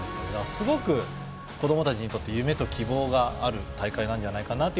すごく子どもたちにとって夢と希望がある大会なんじゃないかなと。